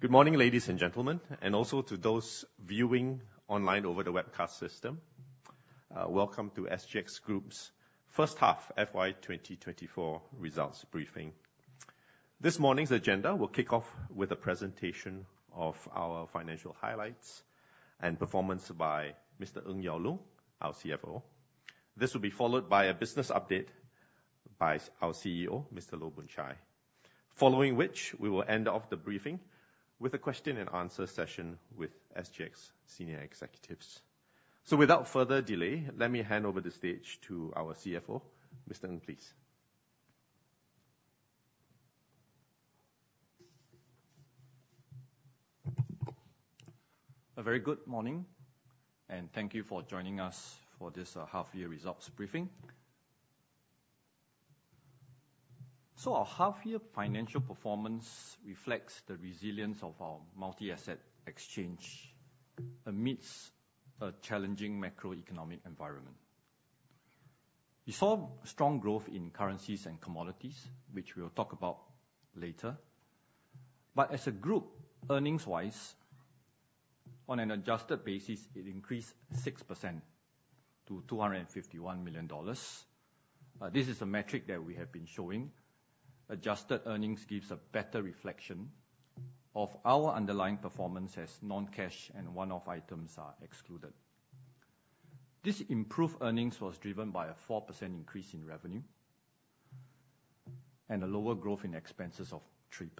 Good morning, ladies and gentlemen, and also to those viewing online over the webcast system. Welcome to SGX Group's first half FY 2024 results briefing. This morning's agenda will kick off with a presentation of our financial highlights and performance by Mr. Ng Yao Loong, our CFO. This will be followed by a business update by our CEO, Mr. Loh Boon Chye. Following which, we will end off the briefing with a question and answer session with SGX senior executives. Without further delay, let me hand over the stage to our CFO, Mr. Ng, please. A very good morning, and thank you for joining us for this, half year results briefing. Our half year financial performance reflects the resilience of our multi-asset exchange amidst a challenging macroeconomic environment. We saw strong growth in currencies and commodities, which we'll talk about later. But as a group, earnings-wise, on an adjusted basis, it increased 6% to 251 million dollars. This is a metric that we have been showing. Adjusted earnings gives a better reflection of our underlying performance as non-cash and one-off items are excluded. This improved earnings was driven by a 4% increase in revenue and a lower growth in expenses of 3%.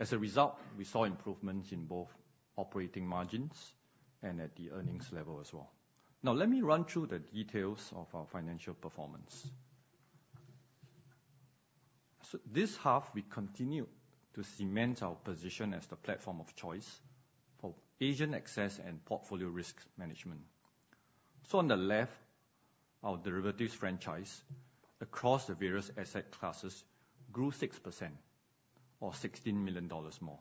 As a result, we saw improvements in both operating margins and at the earnings level as well. Now, let me run through the details of our financial performance. So this half, we continued to cement our position as the platform of choice for Asian access and portfolio risk management. So on the left, our derivatives franchise across the various asset classes grew 6% or $16 million more.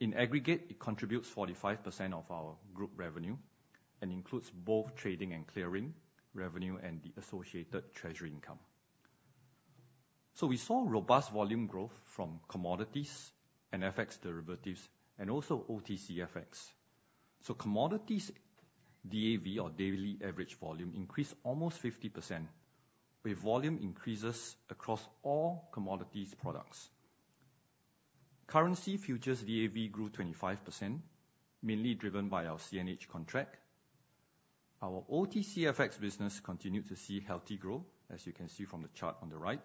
In aggregate, it contributes 45% of our group revenue and includes both trading and clearing revenue and the associated treasury income. So we saw robust volume growth from commodities and FX derivatives and also OTCFX. So commodities DAV, or daily average volume, increased almost 50%, with volume increases across all commodities products. Currency futures DAV grew 25%, mainly driven by our CNH contract. Our OTCFX business continued to see healthy growth, as you can see from the chart on the right,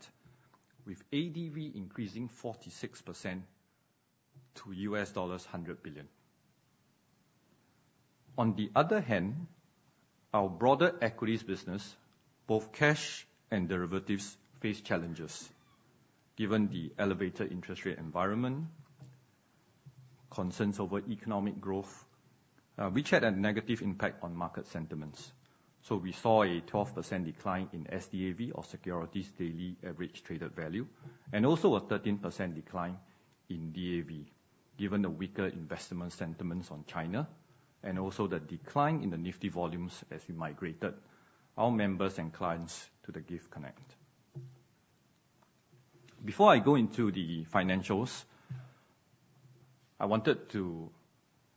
with ADV increasing 46% to $100 billion. On the other hand, our broader equities business, both cash and derivatives, face challenges, given the elevated interest rate environment, concerns over economic growth, which had a negative impact on market sentiments. So we saw a 12% decline in SDAV, or securities daily average traded value, and also a 13% decline in DAV, given the weaker investment sentiments on China, and also the decline in the Nifty volumes as we migrated our members and clients to the GIFT Connect. Before I go into the financials, I wanted to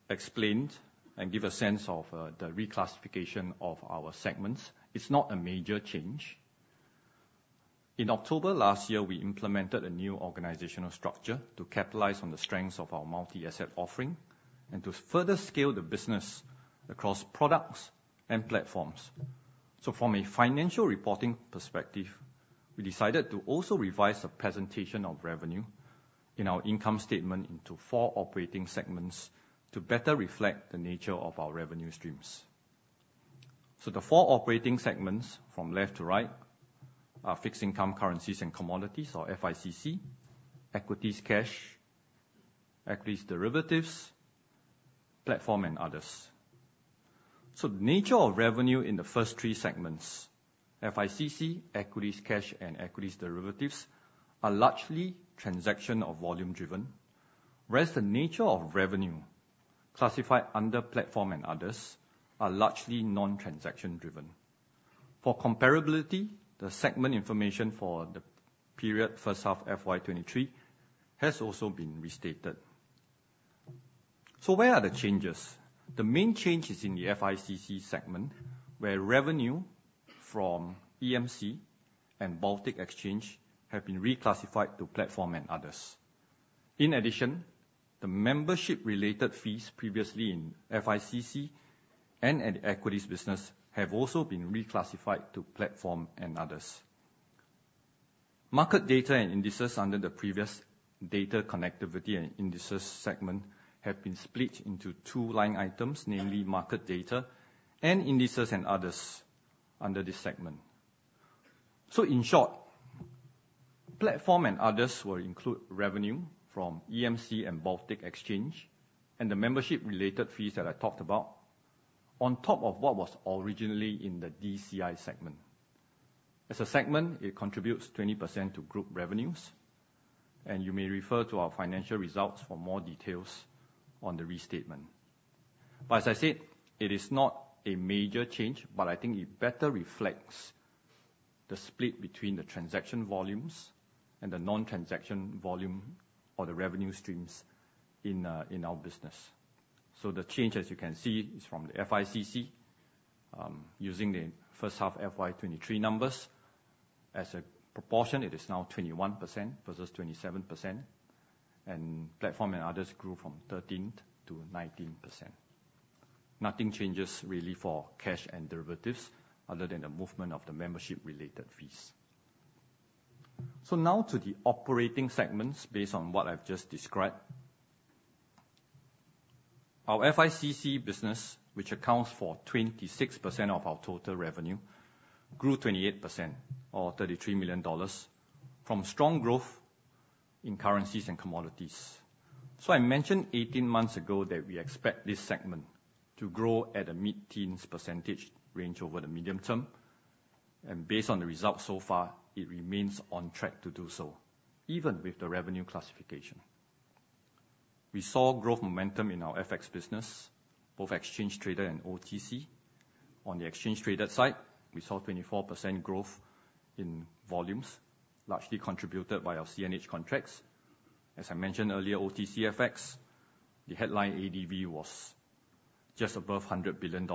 explain and give a sense of the reclassification of our segments. It's not a major change. In October last year, we implemented a new organizational structure to capitalize on the strengths of our multi-asset offering, and to further scale the business across products and platforms. So from a financial reporting perspective, we decided to also revise the presentation of revenue in our income statement into four operating segments to better reflect the nature of our revenue streams. So the four operating segments, from left to right, are fixed income currencies and commodities or FICC, equities cash, equities derivatives, platform and others. So the nature of revenue in the first three segments, FICC, equities cash, and equities derivatives, are largely transaction or volume driven. Whereas the nature of revenue classified under platform and others are largely non-transaction driven. For comparability, the segment information for the period first half FY 2023 has also been restated. So where are the changes? The main change is in the FICC segment, where revenue from EMC and Baltic Exchange have been reclassified to platform and others. In addition, the membership-related fees previously in FICC and in the equities business have also been reclassified to platform and others. Market data and indices under the previous data connectivity and indices segment have been split into two line items, namely market data and indices and others under this segment. So in short, platform and others will include revenue from EMC and Baltic Exchange and the membership-related fees that I talked about, on top of what was originally in the DCI segment. As a segment, it contributes 20% to group revenues, and you may refer to our financial results for more details on the restatement. But as I said, it is not a major change, but I think it better reflects the split between the transaction volumes and the non-transaction volume or the revenue streams in, in our business. So the change, as you can see, is from the FICC, using the first half FY 2023 numbers. As a proportion, it is now 21% versus 27%, and Platform and Others grew from 13%-19%. Nothing changes really for Cash and Derivatives, other than the movement of the membership-related fees. So now to the operating segments, based on what I've just described. Our FICC business, which accounts for 26% of our total revenue, grew 28% or 33 million dollars from strong growth in currencies and commodities. So I mentioned eighteen months ago that we expect this segment to grow at a mid-teens % range over the medium term, and based on the results so far, it remains on track to do so, even with the revenue classification. We saw growth momentum in our FX business, both exchange-traded and OTC. On the exchange-traded side, we saw 24% growth in volumes, largely contributed by our CNH Contracts. As I mentioned earlier, OTC FX, the headline ADV was just above $100 billion,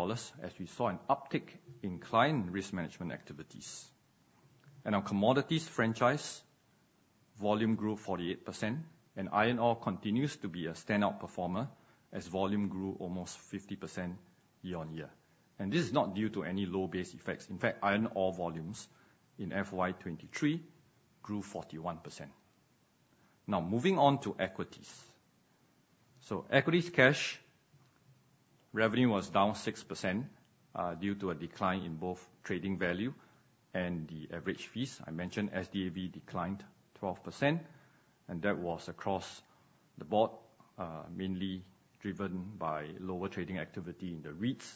as we saw an uptick in client risk management activities. And our commodities franchise volume grew 48%, Iron Ore continues to be a standout performer as volume grew almost 50% year-on-year. And this is not due to any low base effects. In Iron Ore volumes in FY 2023 grew 41%. Now, moving on to Equities. So Equities cash revenue was down 6%, due to a decline in both trading value and the average fees. I mentioned SDAV declined 12%, and that was across the board, mainly driven by lower trading activity in the REITs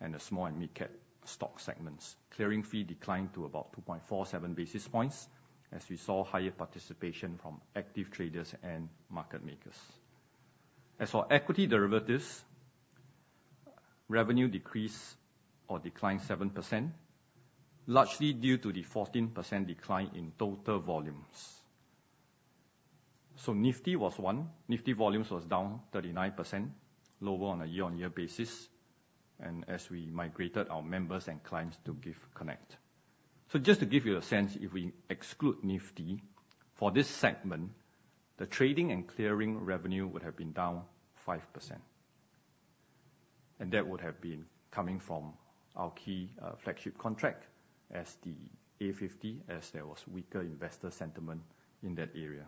and the small and midcap stock segments. Clearing fee declined to about 2.47 basis points, as we saw higher participation from active traders and market makers. As for Equity Derivatives, revenue decreased or declined 7%, largely due to the 14% decline in total volumes. So Nifty was one. Nifty volumes was down 39%, lower on a year-on-year basis, and as we migrated our members and clients to GIFT Connect. So just to give you a sense, if we exclude Nifty, for this segment, the trading and clearing revenue would have been down 5%, and that would have been coming from our key, flagship contract as the A50, as there was weaker investor sentiment in that area.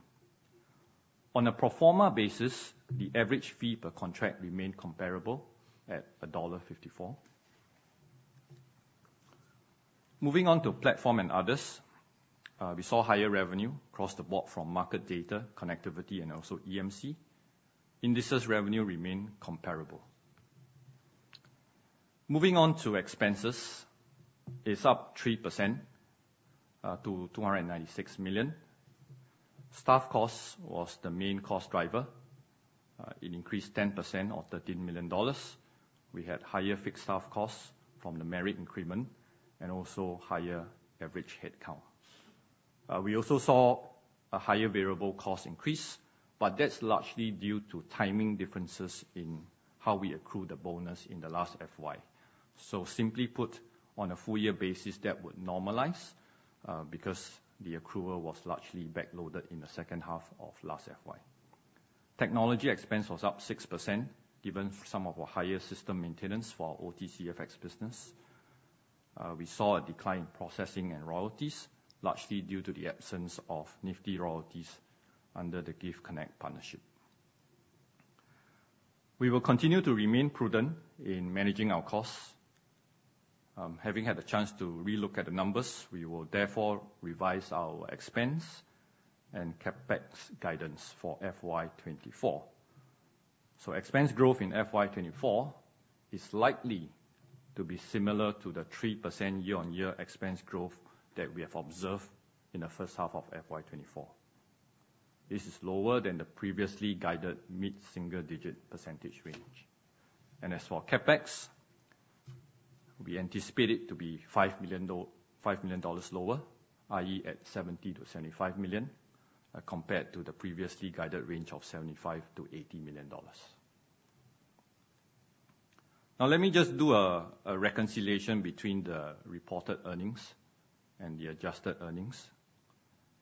On a pro forma basis, the average fee per contract remained comparable at $1.54. Moving on to Platform and Others, we saw higher revenue across the board from market data, connectivity, and also EMC. Indices revenue remained comparable. Moving on to Expenses, it's up 3%, to 296 million. Staff costs was the main cost driver. It increased 10% or 13 million dollars. We had higher fixed staff costs from the merit increment, and also higher average headcount. We also saw a higher variable cost increase, but that's largely due to timing differences in how we accrue the bonus in the last FY. So simply put, on a full year basis, that would normalize, because the accrual was largely backloaded in the second half of last FY. Technology expense was up 6%, given some of our higher system maintenance for our OTCFX business. We saw a decline in processing and royalties, largely due to the absence of Nifty royalties under the GIFT Connect partnership. We will continue to remain prudent in managing our costs. Having had a chance to relook at the numbers, we will therefore revise our expense and CapEx guidance for FY 2024. Expense growth in FY 2024 is likely to be similar to the 3% year-on-year expense growth that we have observed in the first half of FY 2024. This is lower than the previously guided mid-single-digit percentage range. As for CapEx, we anticipate it to be 5 million dollars lower, i.e., at 70 million-75 million, compared to the previously guided range of 75 million-80 million dollars. Now, let me just do a reconciliation between the reported earnings and the adjusted earnings.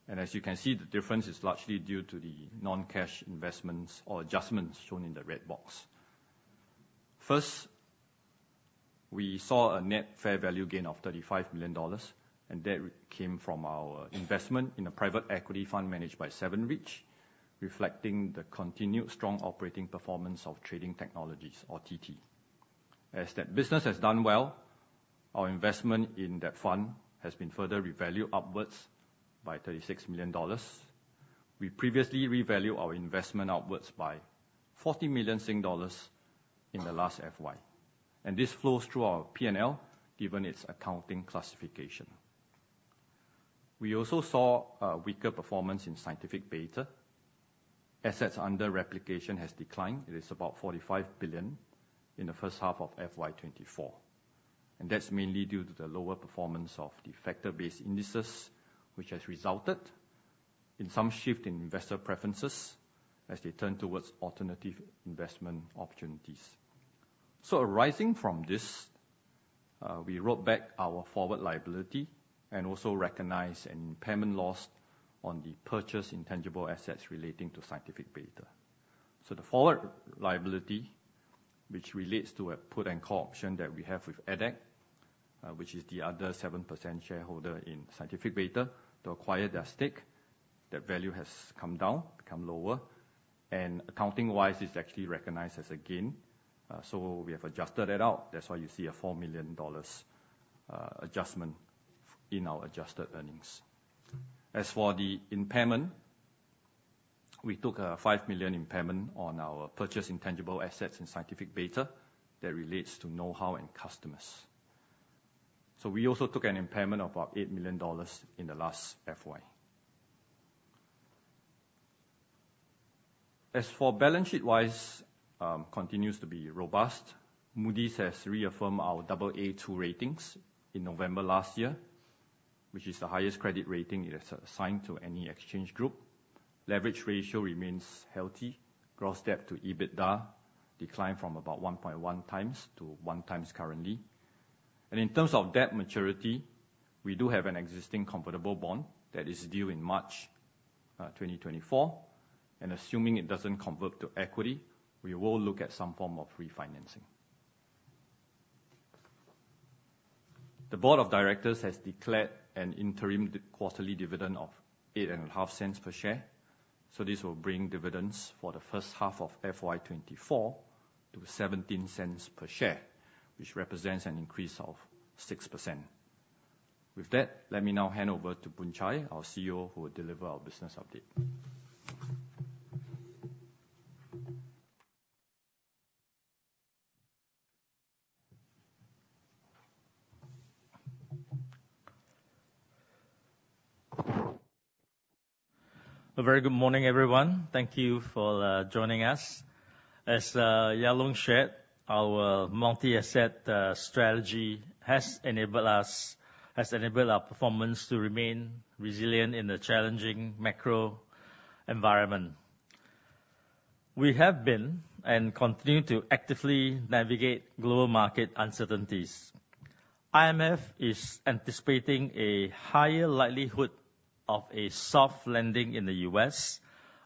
As you can see, the difference is largely due to the non-cash investments or adjustments shown in the red box. First, we saw a net fair value gain of 35 million dollars, and that came from our investment in a private equity fund managed by 7RIDGE, reflecting the continued strong operating performance of Trading Technologies, or TT. As that business has done well, our investment in that fund has been further revalued upwards by SGD 36 million. We previously revalued our investment outwards by SGD 40 million in the last FY, and this flows through our P&L, given its accounting classification. We also saw a weaker performance in Scientific Beta. Assets under replication has declined. It is about 45 billion in the first half of FY 2024, and that's mainly due to the lower performance of the factor-based indices, which has resulted in some shift in investor preferences as they turn towards alternative investment opportunities. Arising from this, we wrote back our forward liability and also recognized an impairment loss on the purchased intangible assets relating to Scientific Beta. The forward liability, which relates to a put and call option that we have with EDHEC, which is the other 7% shareholder in Scientific Beta, to acquire their stake, that value has come down, become lower, and accounting-wise, it's actually recognized as a gain. So we have adjusted that out. That's why you see a 4 million dollars adjustment in our adjusted earnings. As for the impairment, we took a 5 million impairment on our purchase intangible assets in Scientific Beta that relates to know-how and customers. So we also took an impairment of about 8 million dollars in the last FY. As for balance sheet-wise, continues to be robust. Moody's has reaffirmed our Aa2 ratings in November last year, which is the highest credit rating it has assigned to any exchange group. Leverage ratio remains healthy. Gross debt to EBITDA declined from about 1.1 times to 1 times currently. And in terms of debt maturity, we do have an existing convertible bond that is due in March 2024, and assuming it doesn't convert to equity, we will look at some form of refinancing. The board of directors has declared an interim quarterly dividend of 0.085 per share, so this will bring dividends for the first half of FY 2024 to 0.17 per share, which represents an increase of 6%. With that, let me now hand over to Boon Chye, our CEO, who will deliver our business update. A very good morning, everyone. Thank you for joining us. As Ng Yao Loong shared, our multi-asset strategy has enabled our performance to remain resilient in a challenging macro environment. We have been and continue to actively navigate global market uncertainties. IMF is anticipating a higher likelihood of a soft landing in the U.S.,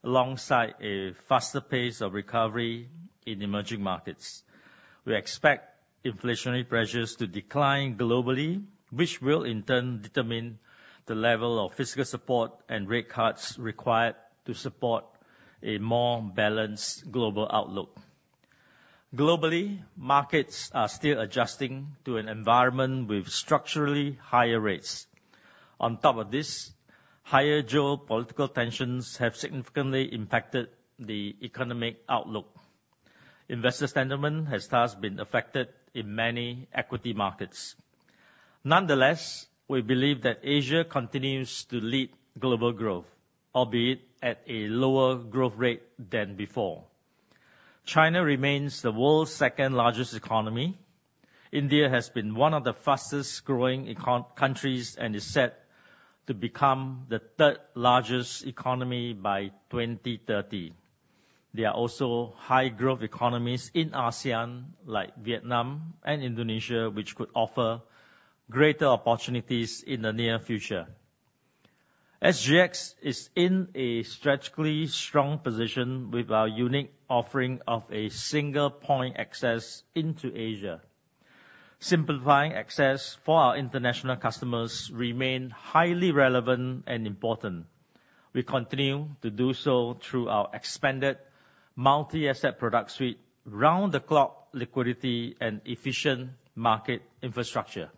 alongside a faster pace of recovery in emerging markets. We expect inflationary pressures to decline globally, which will in turn determine the level of fiscal support and rate cuts required to support a more balanced global outlook. Globally, markets are still adjusting to an environment with structurally higher rates. On top of this, higher geopolitical tensions have significantly impacted the economic outlook. Investor sentiment has thus been affected in many equity markets. Nonetheless, we believe that Asia continues to lead global growth, albeit at a lower growth rate than before. China remains the world's second-largest economy. India has been one of the fastest-growing countries and is set to become the third-largest economy by 2030. There are also high-growth economies in ASEAN, like Vietnam and Indonesia, which could offer greater opportunities in the near future. SGX is in a strategically strong position with our unique offering of a single point access into Asia. Simplifying access for our international customers remain highly relevant and important. We continue to do so through our expanded multi-asset product suite, round-the-clock liquidity, and efficient market infrastructure.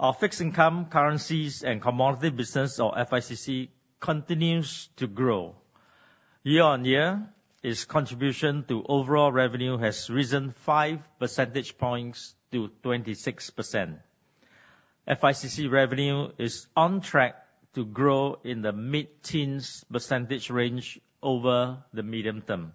Our fixed income, currencies, and commodity business, or FICC, continues to grow. Year-on-year, its contribution to overall revenue has risen five percentage points to 26%. FICC revenue is on track to grow in the mid-teens % range over the medium term.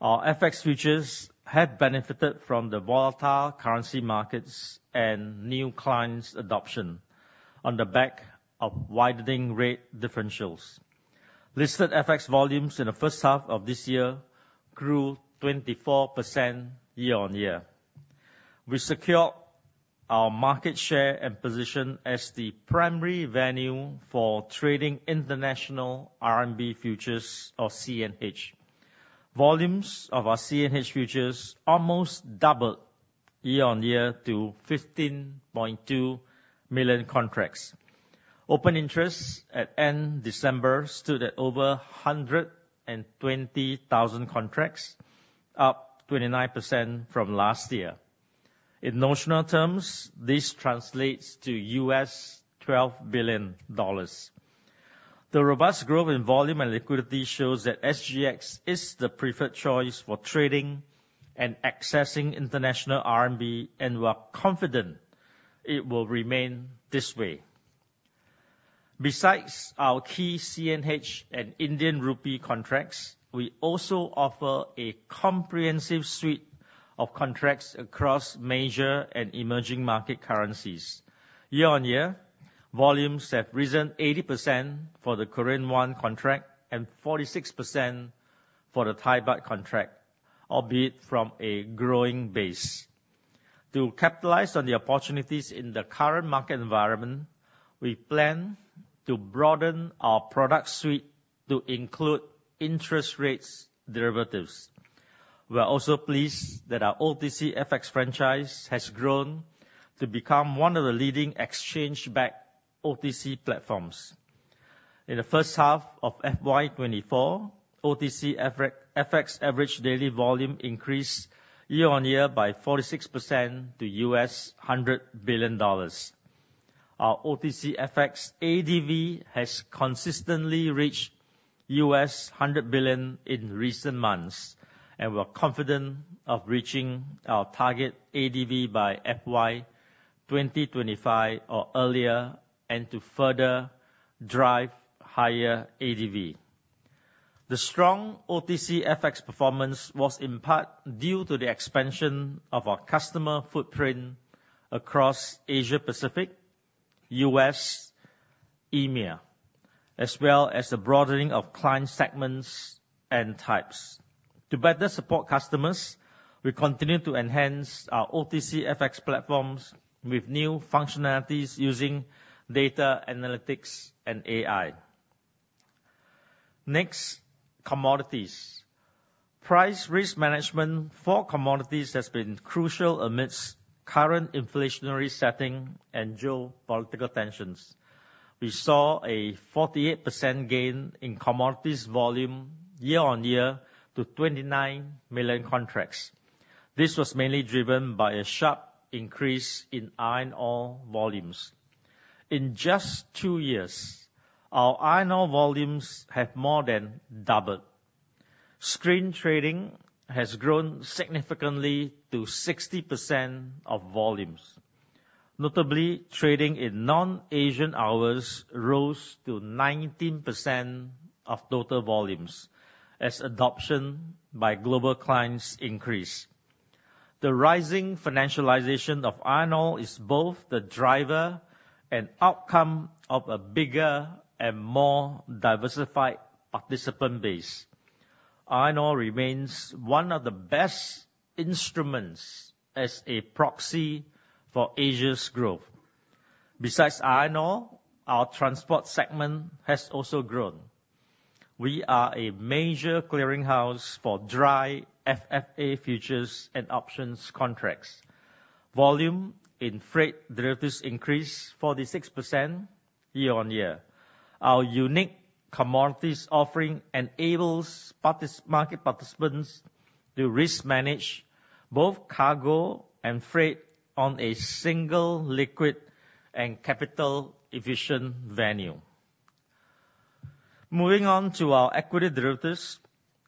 Our FX futures have benefited from the volatile currency markets and new clients' adoption on the back of widening rate differentials. Listed FX volumes in the first half of this year grew 24% year-on-year. We secured our market share and position as the primary venue for trading international RMB Futures or CNH. Volumes of our CNH futures almost doubled year-on-year to 15.2 million contracts. Open interests at end December stood at over 120,000 contracts, up 29% from last year. In notional terms, this translates to $12 billion. The robust growth in volume and liquidity shows that SGX is the preferred choice for trading and accessing international RMB, and we're confident it will remain this way. Besides our key CNH and Indian rupee contracts, we also offer a comprehensive suite of contracts across major and emerging market currencies. Year-on-year, volumes have risen 80% for the Korean Won Contract and 46% for the Thai baht contract, albeit from a growing base. To capitalize on the opportunities in the current market environment, we plan to broaden our product suite to include interest rates derivatives. We are also pleased that our OTC FX franchise has grown to become one of the leading exchange-backed OTC platforms. In the first half of FY 2024, OTC FX average daily volume increased year-on-year by 46% to $100 billion. Our OTC FX ADV has consistently reached $100 billion in recent months, and we're confident of reaching our target ADV by FY 2025 or earlier, and to further drive higher ADV. The strong OTC FX performance was in part due to the expansion of our customer footprint across Asia Pacific, U.S., EMEA, as well as the broadening of client segments and types. To better support customers, we continue to enhance our OTC FX platforms with new functionalities using data analytics and AI. Next, commodities. Price risk management for commodities has been crucial amidst current inflationary setting and geopolitical tensions. We saw a 48% gain in commodities volume year-over-year to 29 million contracts. This was mainly driven by a sharp increase Iron Ore volumes. In just two years, Iron Ore volumes have more than doubled. Screen trading has grown significantly to 60% of volumes. Notably, trading in non-Asian hours rose to 19% of total volumes as adoption by global clients increased. The rising financialization Iron Ore is both the driver and outcome of a bigger and more diversified participant Iron Ore remains one of the best instruments as a proxy for Asia's growth. Iron Ore, our transport segment has also grown. We are a major clearinghouse for dry FFA futures and options contracts. Volume in freight derivatives increased 46% year-on-year. Our unique commodities offering enables participants to risk manage both cargo and freight on a single liquid and capital efficient venue. Moving on to our equity derivatives.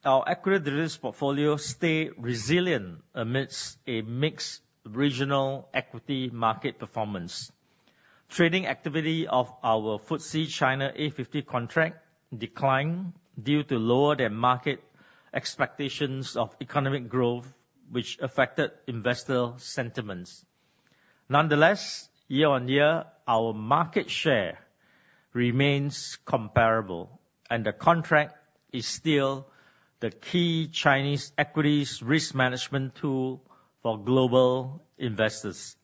Our equity derivatives portfolio stay resilient amidst a mixed regional equity market performance. Trading activity of our FTSE China A50 contract declined due to lower-than-market expectations of economic growth, which affected investor sentiments. Nonetheless, year-on-year, our market share remains comparable, and the contract is still the key Chinese equities risk management tool for global investors.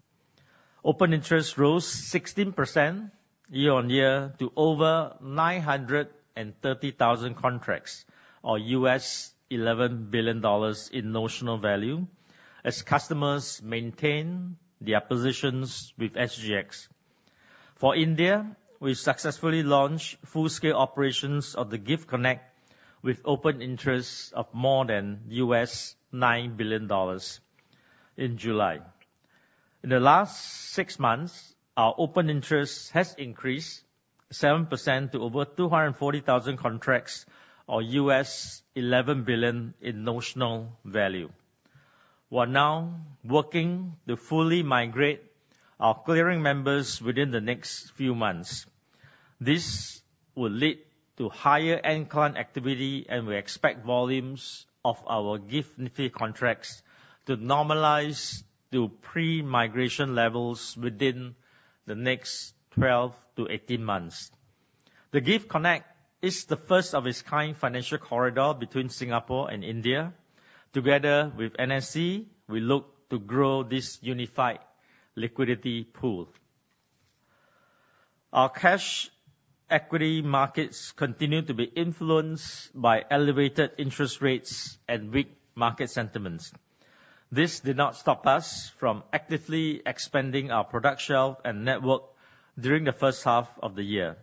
Open interest rose 16% year-on-year to over 930,000 contracts, or $11 billion in notional value, as customers maintain their positions with SGX. For India, we successfully launched full-scale operations of the GIFT Connect with open interest of more than $9 billion in July. In the last six months, our open interest has increased 7% to over 240,000 contracts, or $11 billion in notional value. We're now working to fully migrate our clearing members within the next few months. This will lead to higher end client activity, and we expect volumes of our GIFT Nifty contracts to normalize to pre-migration levels within the next 12-18 months. The GIFT Connect is the first of its kind financial corridor between Singapore and India. Together with NSE, we look to grow this unified liquidity pool. Our cash equity markets continue to be influenced by elevated interest rates and weak market sentiments. This did not stop us from actively expanding our product shelf and network during the first half of the year.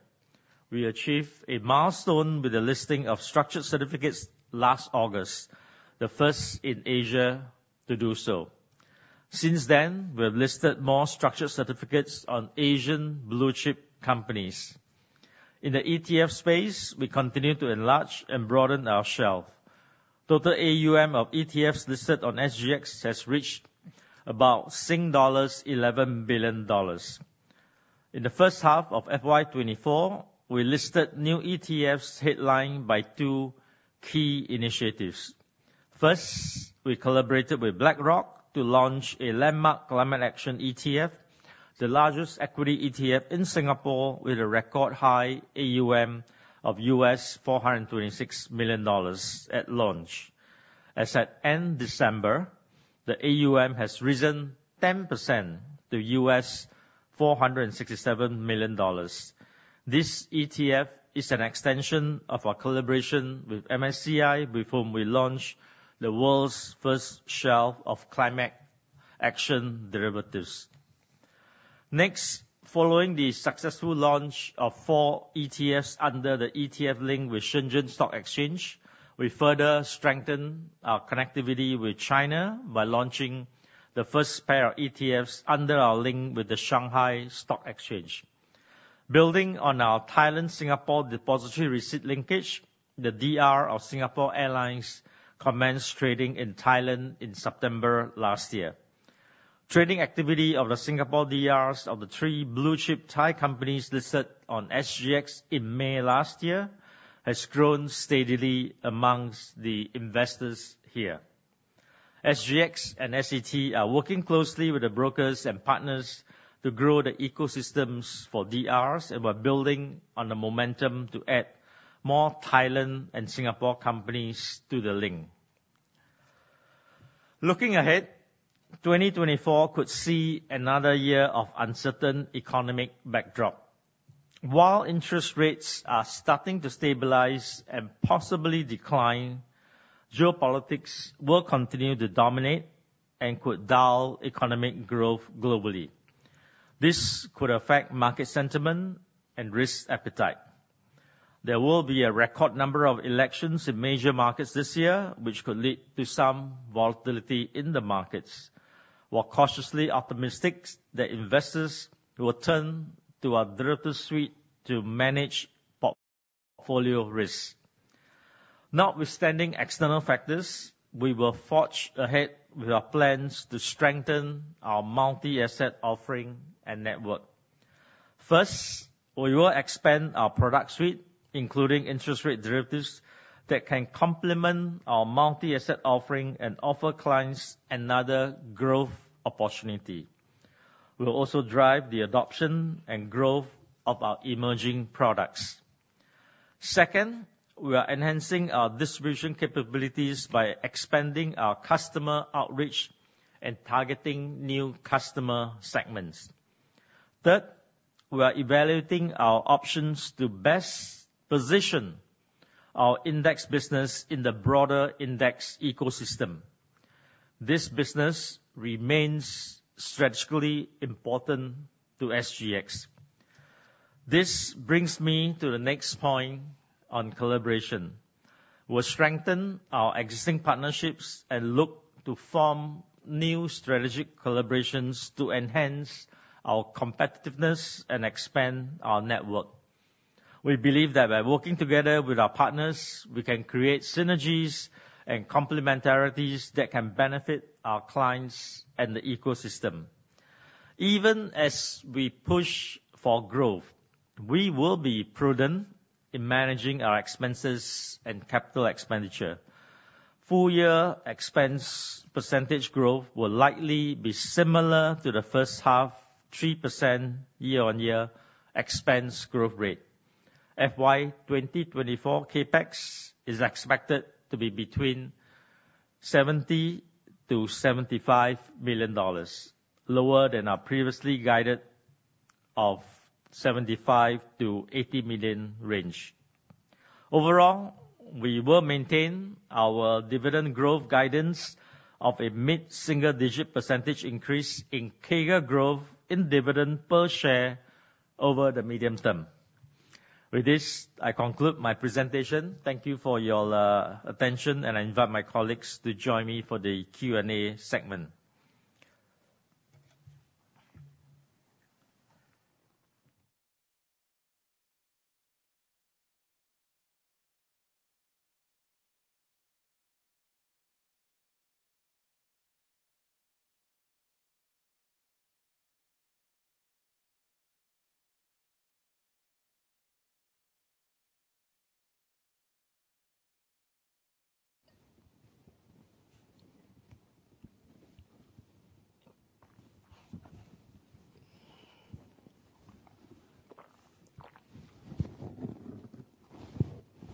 We achieved a milestone with the listing of structured certificates last August, the first in Asia to do so. Since then, we have listed more structured certificates on Asian blue-chip companies. In the ETF space, we continue to enlarge and broaden our shelf. Total AUM of ETFs listed on SGX has reached about SGD 11 billion. In the first half of FY 2024, we listed new ETFs headlined by two key initiatives. First, we collaborated with BlackRock to launch a landmark Climate Action ETF, the largest equity ETF in Singapore, with a record high AUM of $426 million at launch. As at end December, the AUM has risen 10% to $467 million. This ETF is an extension of our collaboration with MSCI, with whom we launched the world's first shelf of Climate Action derivatives. Next, following the successful launch of 4 ETFs under the ETF Link with Shenzhen Stock Exchange, we further strengthen our connectivity with China by launching the first pair of ETFs under our link with the Shanghai Stock Exchange. Building on our Thailand-Singapore depository receipt linkage, the DR of Singapore Airlines commenced trading in Thailand in September last year. Trading activity of the Singapore DRs of the 3 blue-chip Thai companies listed on SGX in May last year has grown steadily among the investors here. SGX and SET are working closely with the brokers and partners to grow the ecosystems for DRs, and we're building on the momentum to add more Thailand and Singapore companies to the link. Looking ahead, 2024 could see another year of uncertain economic backdrop. While interest rates are starting to stabilize and possibly decline, geopolitics will continue to dominate and could dull economic growth globally. This could affect market sentiment and risk appetite. There will be a record number of elections in major markets this year, which could lead to some volatility in the markets. We're cautiously optimistic that investors will turn to our derivative suite to manage portfolio risk. Notwithstanding external factors, we will forge ahead with our plans to strengthen our multi-asset offering and network. First, we will expand our product suite, including interest rate derivatives, that can complement our multi-asset offering and offer clients another growth opportunity. We'll also drive the adoption and growth of our emerging products. Second, we are enhancing our distribution capabilities by expanding our customer outreach and targeting new customer segments. Third, we are evaluating our options to best position our index business in the broader index ecosystem. This business remains strategically important to SGX. This brings me to the next point on collaboration. We'll strengthen our existing partnerships and look to form new strategic collaborations to enhance our competitiveness and expand our network. We believe that by working together with our partners, we can create synergies and complementarities that can benefit our clients and the ecosystem. Even as we push for growth, we will be prudent in managing our expenses and capital expenditure. Full year expense percentage growth will likely be similar to the first half, 3% year-on-year expense growth rate. FY 2024 CapEx is expected to be between SGD 70 million-SGD 75 million, lower than our previously guided of SGD 75 million-SGD 80 million range. Overall, we will maintain our dividend growth guidance of a mid-single digit percentage increase in CAGR growth in dividend per share over the medium term. With this, I conclude my presentation. Thank you for your attention, and I invite my colleagues to join me for the Q&A segment.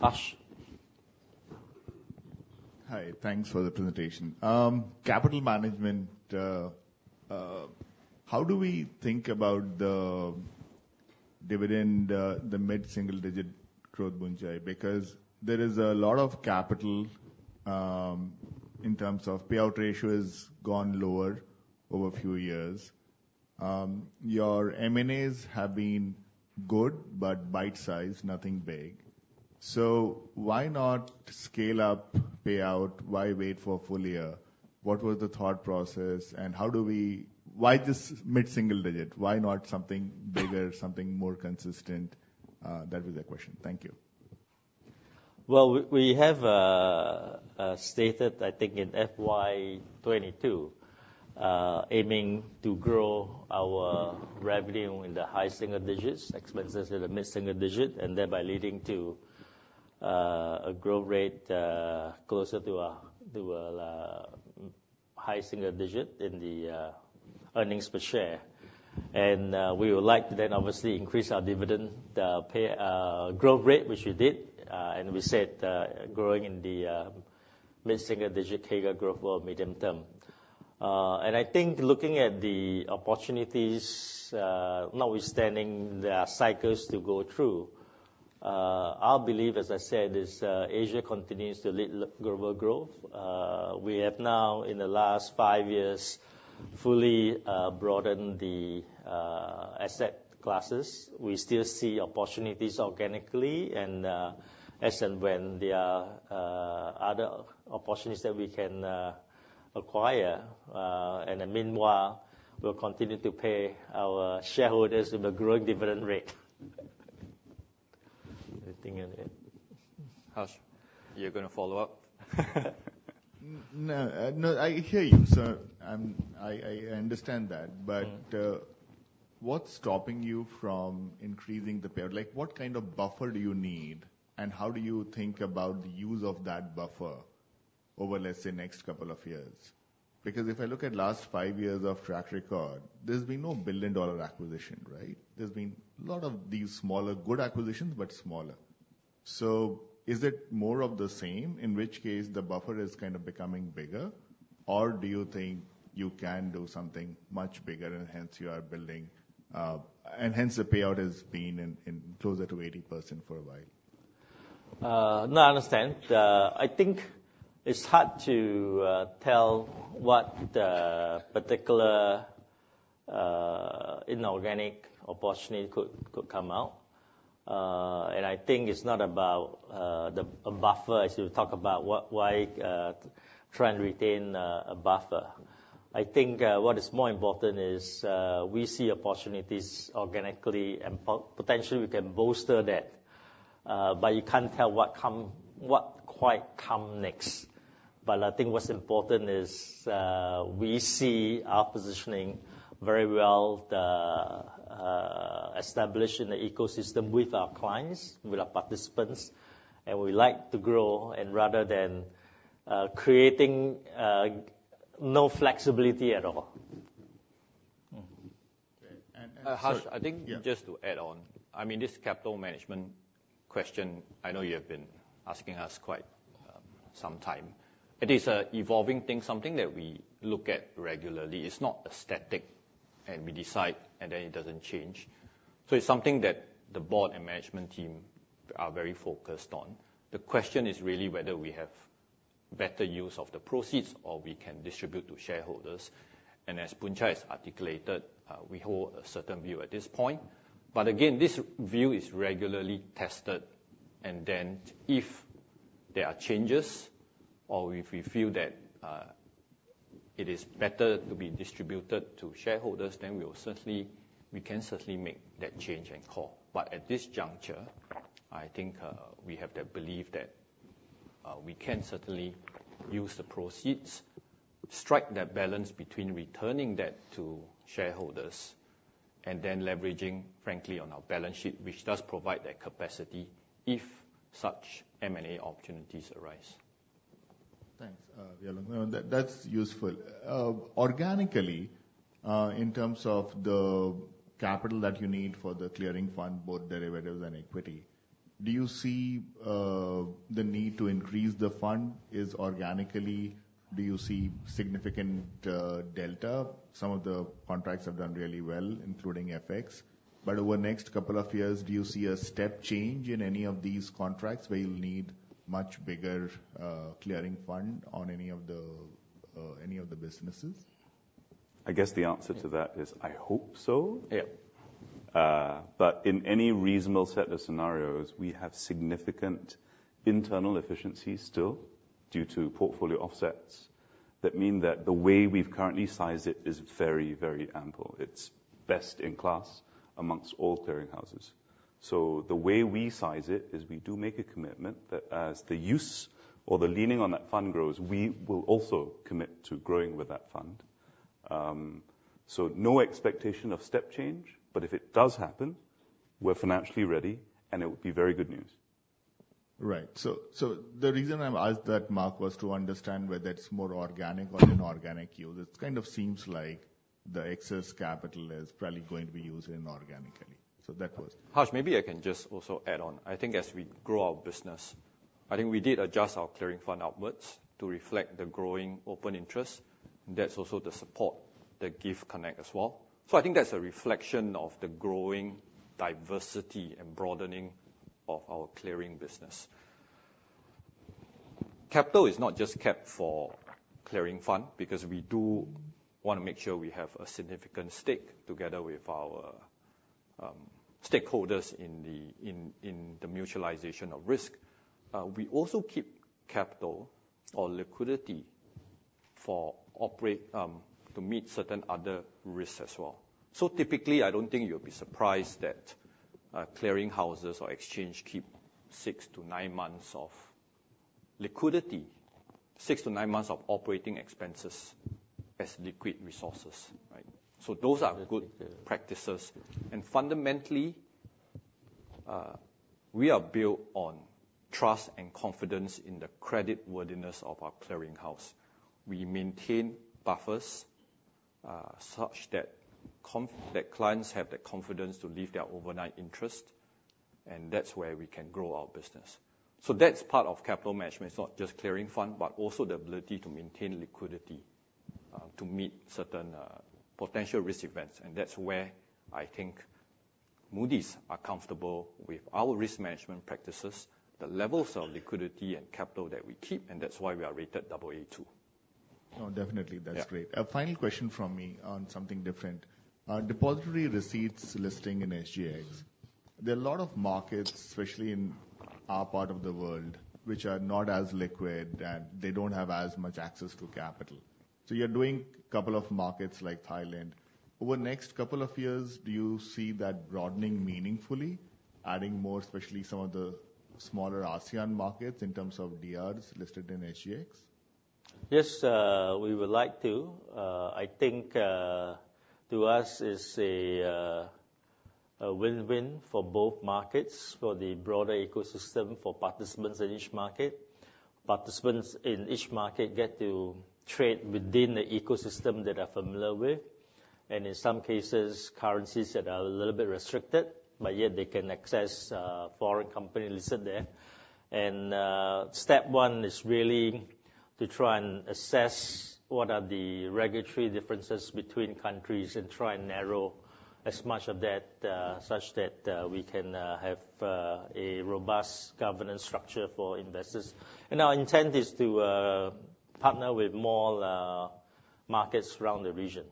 Harsh? Hi, thanks for the presentation. Capital management, how do we think about the dividend, the mid-single digit growth, Boon Chye? Because there is a lot of capital, in terms of payout ratio has gone lower over a few years. Your M&As have been good, but bite-sized, nothing big. So why not scale up payout? Why wait for full year? What was the thought process, and how do we- why just mid-single digit? Why not something bigger, something more consistent? That was the question. Thank you. Well, we have stated, I think in FY 22, aiming to grow our revenue in the high single digits, expenses in the mid-single digit, and thereby leading to a growth rate closer to a high single digit in the earnings per share. And we would like to then obviously increase our dividend pay growth rate, which we did. And we said growing in the mid-single digit target growth for medium term. And I think looking at the opportunities, notwithstanding the cycles to go through, our belief, as I said, is Asia continues to lead global growth. We have now, in the last five years, fully broadened the asset classes. We still see opportunities organically, and as and when there are other opportunities that we can acquire, and then meanwhile, we'll continue to pay our shareholders with a growing dividend rate. I think that it... Hash, you're gonna follow up? No, no, I hear you, sir, and I, I understand that. Mm. But, what's stopping you from increasing the payout? Like, what kind of buffer do you need, and how do you think about the use of that buffer over, let's say, next couple of years? Because if I look at last five years of track record, there's been no billion-dollar acquisition, right? There's been a lot of these smaller, good acquisitions, but smaller. So is it more of the same, in which case the buffer is kind of becoming bigger? Or do you think you can do something much bigger and hence you are building, and hence the payout has been in closer to 80% for a while? No, I understand. I think it's hard to tell what particular inorganic opportunity could come out. And I think it's not about a buffer, as you talk about, why try and retain a buffer. I think what is more important is we see opportunities organically and potentially we can bolster that. But you can't tell what come, what quite come next. But I think what's important is we see our positioning very well, establishing the ecosystem with our clients, with our participants, and we like to grow rather than creating no flexibility at all. Okay, and sir- Harsh, I think- Yeah... just to add on, I mean, this capital management question, I know you have been asking us quite some time. It is an evolving thing, something that we look at regularly. It's not a static, and we decide, and then it doesn't change. So it's something that the board and management team are very focused on. The question is really whether we have better use of the proceeds or we can distribute to shareholders. And as Poon Chun has articulated, we hold a certain view at this point. But again, this view is regularly tested, and then if there are changes or if we feel that it is better to be distributed to shareholders, then we will certainly, we can certainly make that change and call. At this juncture, I think, we have the belief that, we can certainly use the proceeds, strike that balance between returning that to shareholders, and then leveraging frankly on our balance sheet, which does provide that capacity if such M&A opportunities arise. Thanks. Yeah, no, that's useful. Organically, in terms of the capital that you need for the clearing fund, both derivatives and equity, do you see the need to increase the fund organically? Do you see significant delta? Some of the contracts have done really well, including FX. But over the next couple of years, do you see a step change in any of these contracts where you'll need much bigger clearing fund on any of the businesses? I guess the answer to that is, I hope so. Yeah. But in any reasonable set of scenarios, we have significant internal efficiency still, due to portfolio offsets. That mean that the way we've currently sized it is very, very ample. It's best in class amongst all clearing houses. So the way we size it is we do make a commitment that as the use or the leaning on that fund grows, we will also commit to growing with that fund. So no expectation of step change, but if it does happen, we're financially ready, and it would be very good news. Right. So, the reason I've asked that, Mark, was to understand whether it's more organic or inorganic yield. It kind of seems like the excess capital is probably going to be used inorganically. So that was- Harsh, maybe I can just also add on. I think as we grow our business, I think we did adjust our clearing fund outwards to reflect the growing open interest. That's also the support that GIFT Connect as well. So I think that's a reflection of the growing diversity and broadening of our clearing business.... capital is not just kept for clearing fund, because we do want to make sure we have a significant stake together with our stakeholders in the mutualization of risk. We also keep capital or liquidity for operational to meet certain other risks as well. So typically, I don't think you'll be surprised that clearing houses or exchanges keep 6-9 months of liquidity, 6-9 months of operating expenses as liquid resources, right? So those are good practices. And fundamentally, we are built on trust and confidence in the creditworthiness of our clearing house. We maintain buffers such that clients have the confidence to leave their overnight interest, and that's where we can grow our business. So that's part of capital management. It's not just clearing fund, but also the ability to maintain liquidity, to meet certain, potential risk events. And that's where I think Moody's are comfortable with our risk management practices, the levels of liquidity and capital that we keep, and that's why we are rated Aa2. No, definitely, that's great. Yeah. Final question from me on something different. Depository receipts listing in SGX, there are a lot of markets, especially in our part of the world, which are not as liquid, and they don't have as much access to capital. So you're doing couple of markets like Thailand. Over the next couple of years, do you see that broadening meaningfully, adding more, especially some of the smaller ASEAN markets in terms of DRs listed in SGX? Yes, we would like to. I think, to us, it's a win-win for both markets, for the broader ecosystem, for participants in each market. Participants in each market get to trade within the ecosystem that are familiar with, and in some cases, currencies that are a little bit restricted, but yet they can access foreign company listed there. Step one is really to try and assess what are the regulatory differences between countries and try and narrow as much of that, such that we can have a robust governance structure for investors. Our intent is to partner with more markets around the region.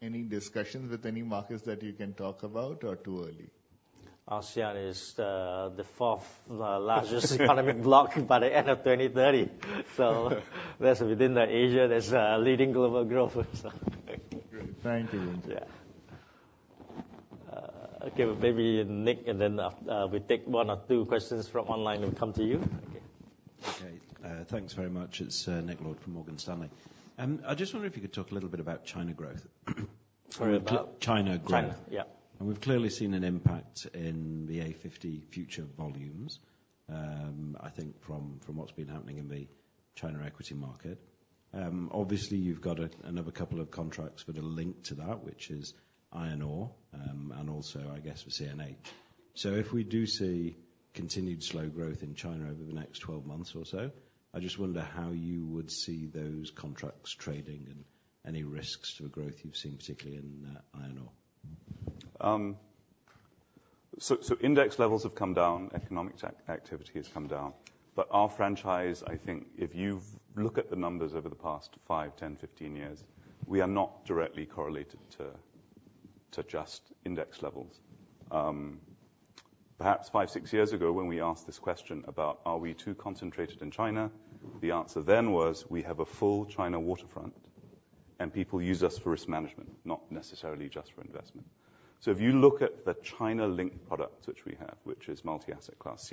Any discussions with any markets that you can talk about or too early? ASEAN is the fourth largest economic bloc by the end of 2030. So that's within the Asia, that's leading global growth, so... Great. Thank you. Yeah. Okay, well, maybe Nick, and then, we take one or two questions from online and come to you. Okay. Thanks very much. It's Nick Lord from Morgan Stanley. I just wonder if you could talk a little bit about China growth? Sorry, about? China growth. China, yeah. And we've clearly seen an impact in the A50 future volumes, I think from what's been happening in the China equity market. Obviously, you've got another couple of contracts with a link to that, which Iron Ore, and also, I guess, with CNH. So if we do see continued slow growth in China over the next 12 months or so, I just wonder how you would see those contracts trading and any risks to the growth you've seen, particularly in Iron Ore. So, index levels have come down, economic activity has come down. But our franchise, I think if you've looked at the numbers over the past five, 10, 15 years, we are not directly correlated to just index levels. Perhaps five, six years ago, when we asked this question about, are we too concentrated in China? The answer then was, we have a full China waterfront, and people use us for risk management, not necessarily just for investment. So if you look at the China-linked products which we have, which is multi-asset class,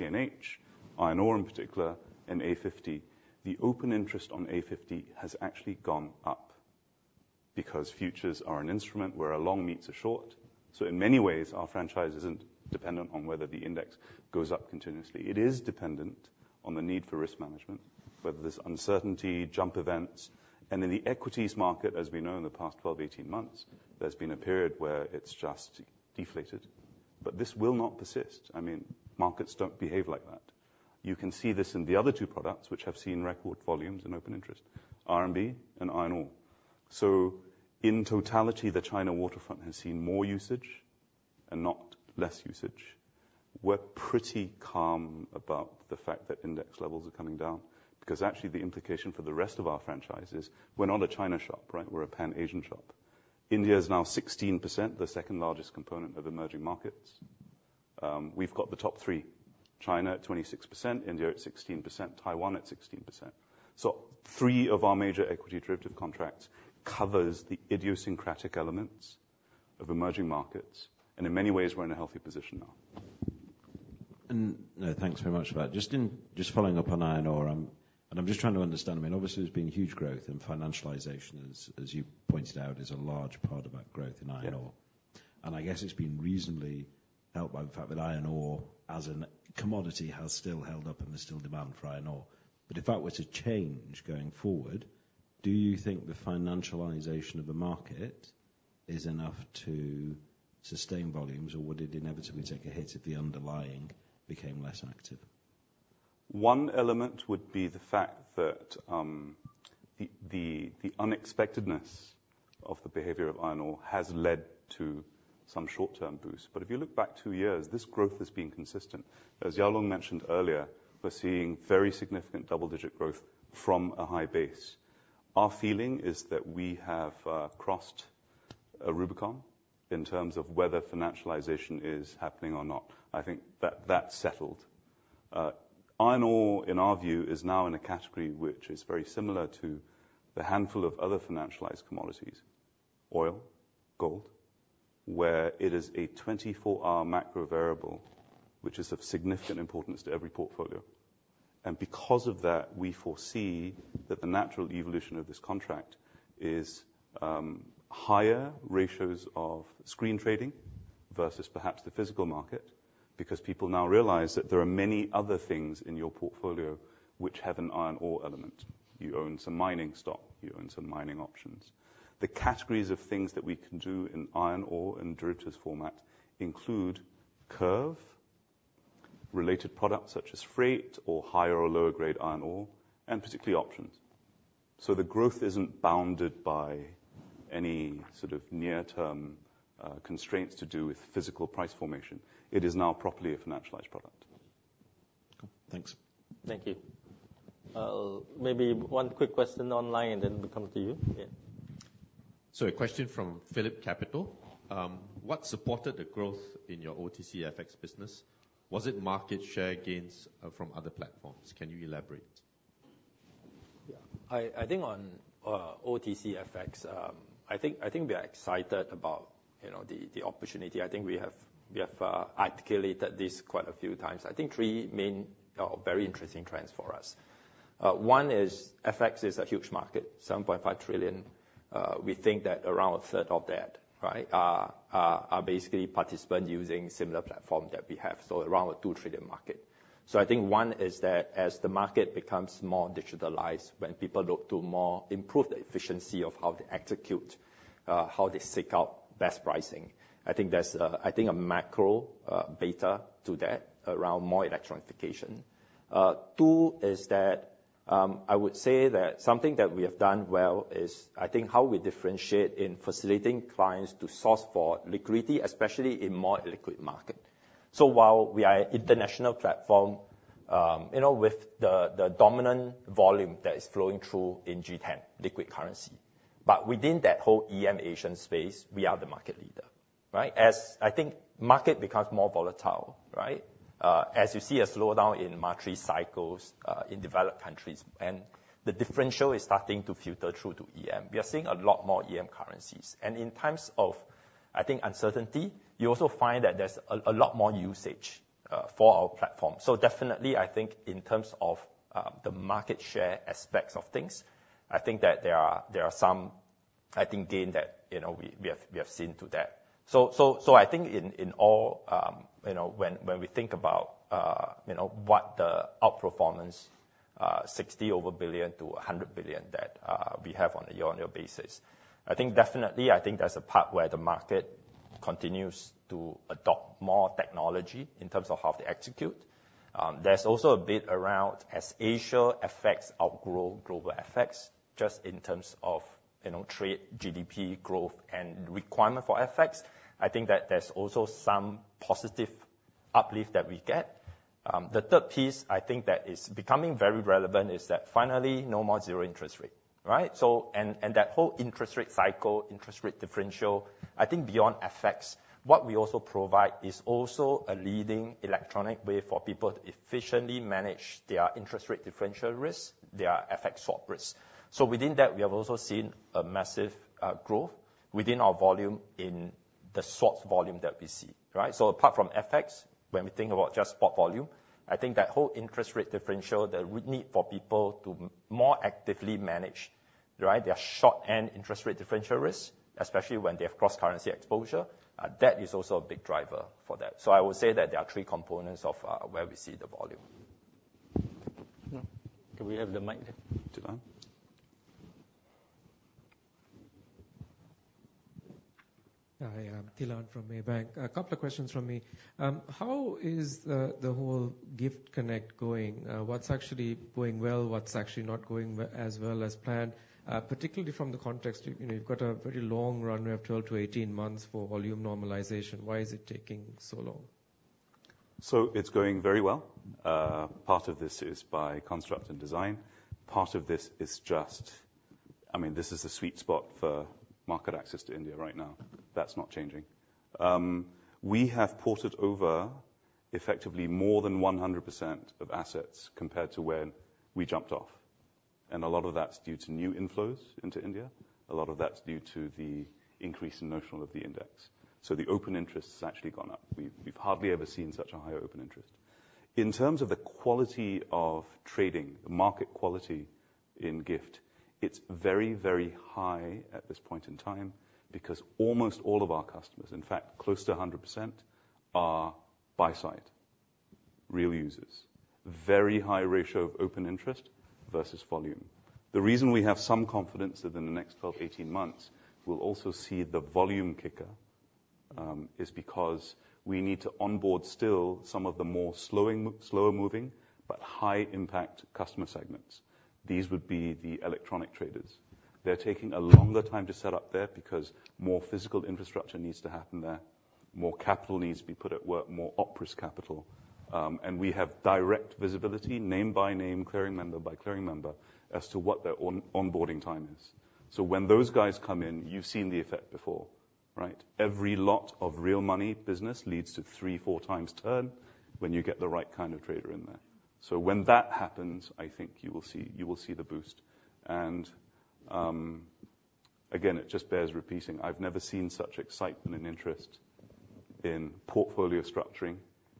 Iron Ore in particular, and A50, the open interest on A50 has actually gone up because futures are an instrument where a long meets a short. So in many ways, our franchise isn't dependent on whether the index goes up continuously. It is dependent on the need for risk management, whether there's uncertainty, jump events. And in the equities market, as we know, in the past 12, 18 months, there's been a period where it's just deflated, but this will not persist. I mean, markets don't behave like that. You can see this in the other two products, which have seen record volumes and open interest, RMB Iron Ore. so in totality, the China waterfront has seen more usage and not less usage. We're pretty calm about the fact that index levels are coming down, because actually the implication for the rest of our franchises, we're not a China shop, right? We're a Pan-Asian shop. India is now 16%, the second largest component of emerging markets. We've got the top three, China at 26%, India at 16%, Taiwan at 16%. Three of our major equity derivative contracts covers the idiosyncratic elements of emerging markets, and in many ways, we're in a healthy position now. Thanks very much for that. Just following up Iron Ore, and I'm just trying to understand. I mean, obviously, there's been huge growth in financialization, as you pointed out, is a large part of that growth in Iron Ore. Yeah. I guess it's been reasonably helped by the fact Iron Ore, as a commodity, has still held up and there's still demand Iron Ore. but if that were to change going forward, do you think the financialization of the market is enough to sustain volumes, or would it inevitably take a hit if the underlying became less active? One element would be the fact that the unexpectedness of the behavior Iron Ore has led to some short-term boost. But if you look back 2 years, this growth has been consistent. As Yaolong mentioned earlier, we're seeing very significant double-digit growth from a high base. Our feeling is that we have crossed a rubicon in terms of whether financialization is happening or not. I think that that's Iron Ore, in our view, is now in a category which is very similar to the handful of other financialized commodities, oil, gold, where it is a 24-hour macro variable, which is of significant importance to every portfolio. Because of that, we foresee that the natural evolution of this contract is higher ratios of screen trading versus perhaps the physical market, because people now realize that there are many other things in your portfolio which have Iron Ore element. You own some mining stock, you own some mining options. The categories of things that we can do Iron Ore, in derivatives format, include curve-related products, such as freight or higher or lower Iron Ore, and particularly options. So the growth isn't bounded by any sort of near-term constraints to do with physical price formation. It is now properly a financialized product. Cool. Thanks. Thank you. Maybe one quick question online, and then we'll come to you. Yeah. So a question from Phillip Capital. What supported the growth in your OTC FX business? Was it market share gains from other platforms? Can you elaborate? Yeah. I think on OTC FX, I think we are excited about, you know, the opportunity. I think we have articulated this quite a few times. I think three main very interesting trends for us. One is FX is a huge market, $7.5 trillion. We think that around a third of that, right, are basically participants using similar platform that we have, so around a $2 trillion market. So I think one is that as the market becomes more digitalized, when people look to more improve the efficiency of how they execute, how they seek out best pricing, I think there's a macro beta to that around more electrification. Two is that, I would say that something that we have done well is, I think, how we differentiate in facilitating clients to source for liquidity, especially in more liquid market. So while we are international platform, you know, with the dominant volume that is flowing through in G10 liquid currency, but within that whole EM Asian space, we are the market leader, right? As I think market becomes more volatile, right, as you see a slowdown in monetary cycles, in developed countries, and the differential is starting to filter through to EM, we are seeing a lot more EM currencies. And in times of, I think, uncertainty, you also find that there's a lot more usage for our platform. So definitely, I think in terms of the market share aspects of things, I think that there are some gain that, you know, we have seen to that. So I think in all, you know, when we think about you know, what the outperformance, 60 billion-100 billion that we have on a year-on-year basis, I think definitely, I think there's a part where the market continues to adopt more technology in terms of how to execute. There's also a bit around as Asia FX outgrow global FX, just in terms of, you know, trade, GDP growth, and requirement for FX. I think that there's also some positive uplift that we get. The third piece, I think that is becoming very relevant is that finally, no more zero interest rate, right? So and that whole interest rate cycle, interest rate differential, I think beyond FX, what we also provide is also a leading electronic way for people to efficiently manage their interest rate differential risk, their FX swap risk. So within that, we have also seen a massive growth within our volume in the swap volume that we see, right? So apart from FX, when we think about just spot volume, I think that whole interest rate differential, the need for people to more actively manage, right, their short-end interest rate differential risk, especially when they have cross-currency exposure, that is also a big driver for that. So I would say that there are three components of where we see the volume. Can we have the mic there, Dylan? Hi, I'm Dylan from Maybank. A couple of questions from me. How is the whole GIFT Connect going? What's actually going well, what's actually not going as well as planned, particularly from the context, you know, you've got a very long runway of 12-18 months for volume normalization. Why is it taking so long? So it's going very well. Part of this is by construct and design. Part of this is just... I mean, this is the sweet spot for market access to India right now. That's not changing. We have ported over effectively more than 100% of assets compared to when we jumped off, and a lot of that's due to new inflows into India. A lot of that's due to the increase in notional of the index. So the open interest has actually gone up. We've hardly ever seen such a high open interest. In terms of the quality of trading, the market quality in GIFT, it's very, very high at this point in time, because almost all of our customers, in fact, close to 100%, are buy side, real users. Very high ratio of open interest versus volume. The reason we have some confidence that in the next 12, 18 months, we'll also see the volume kicker is because we need to onboard still some of the more slower moving, but high impact customer segments. These would be the electronic traders. They're taking a longer time to set up there, because more physical infrastructure needs to happen there, more capital needs to be put at work, more OpEx capital. And we have direct visibility, name by name, clearing member by clearing member, as to what their onboarding time is. So when those guys come in, you've seen the effect before, right? Every lot of real money business leads to three, four times turn when you get the right kind of trader in there. So when that happens, I think you will see, you will see the boost. Again, it just bears repeating, I've never seen such excitement and interest in portfolio structuring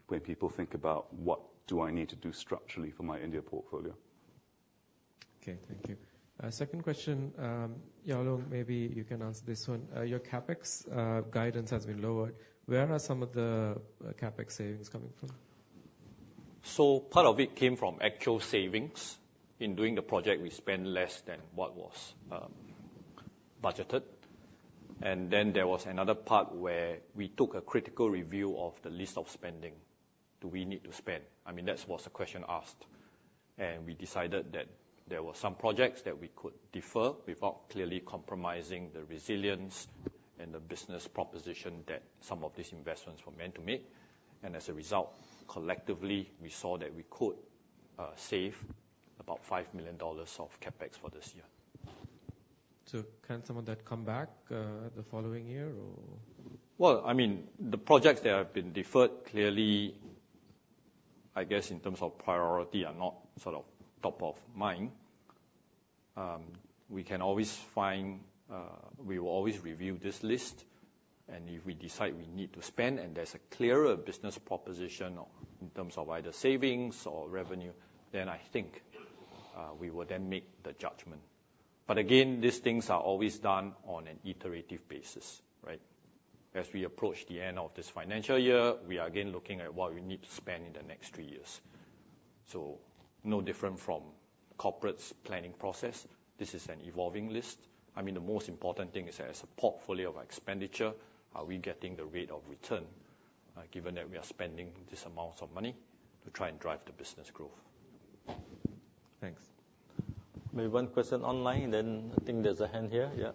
when people think about: What do I need to do structurally for my India portfolio? Okay, thank you. Second question, Yao Loong, maybe you can answer this one. Your CapEx guidance has been lowered. Where are some of the CapEx savings coming from? So part of it came from actual savings. In doing the project, we spent less than what was budgeted. And then there was another part where we took a critical review of the list of spending. Do we need to spend? I mean, that was the question asked. And we decided that there were some projects that we could defer without clearly compromising the resilience and the business proposition that some of these investments were meant to make. And as a result, collectively, we saw that we could save about $5 million of CapEx for this year. So can some of that come back, the following year, or? Well, I mean, the projects that have been deferred, clearly, I guess, in terms of priority, are not sort of top of mind. We can always find... we will always review this list, and if we decide we need to spend, and there's a clearer business proposition in terms of either savings or revenue, then I think, we will then make the judgment. But again, these things are always done on an iterative basis, right? As we approach the end of this financial year, we are again looking at what we need to spend in the next three years. So no different from corporate's planning process. This is an evolving list. I mean, the most important thing is, as a portfolio of expenditure, are we getting the rate of return, given that we are spending this amount of money to try and drive the business growth? Thanks. We have one question online, and then I think there's a hand here. Yeah.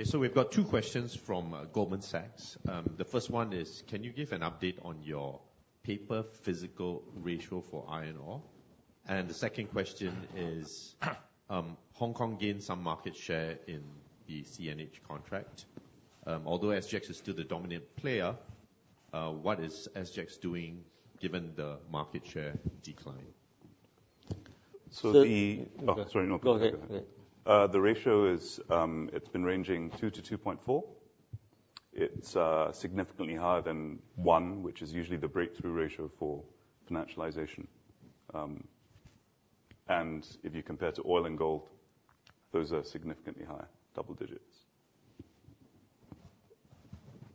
Okay. So we've got two questions from, Goldman Sachs. The first one is, can you give an update on your paper physical ratio Iron Ore? and the second question is, Hong Kong gained some market share in the CNH Contract. Although SGX is still the dominant player, what is SGX doing given the market share decline? So the- So- Oh, sorry. No. Go ahead. Go ahead. The ratio is. It's been ranging 2-2.4. It's significantly higher than 1, which is usually the breakthrough ratio for financialization. If you compare to oil and gold, those are significantly higher, double digits.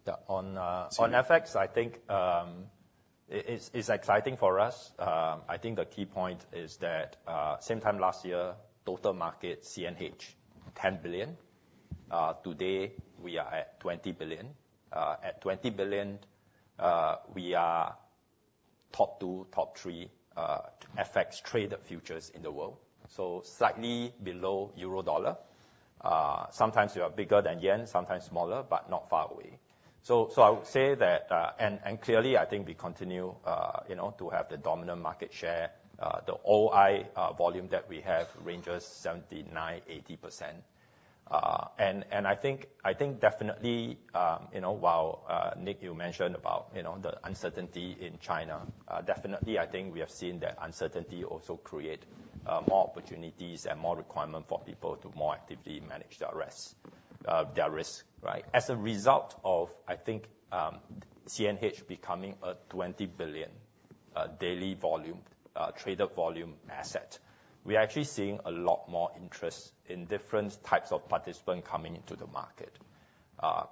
Yeah, on- So-... on FX, I think, it is, it's exciting for us. I think the key point is that, same time last year, total market CNH 10 billion. Today, we are at CNH 20 billion. At CNH 20 billion, we are top two, top three, FX traded futures in the world, so slightly below euro-dollar. Sometimes we are bigger than yen, sometimes smaller, but not far away. So, I would say that, and clearly, I think we continue, you know, to have the dominant market share. The OI, volume that we have ranges 79%-80%. And I think definitely, you know, while Nick, you mentioned about, you know, the uncertainty in China, definitely I think we have seen that uncertainty also create more opportunities and more requirement for people to more actively manage their risk, their risk, right? As a result of, I think, CNH becoming a CNH 20 billion daily volume traded volume asset, we're actually seeing a lot more interest in different types of participants coming into the market.